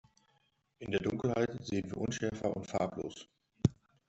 In der Dunkelheit sehen wir unschärfer und farblos.